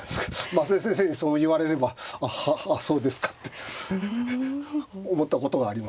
升田先生にそう言われればあっそうですかって思ったことはあります。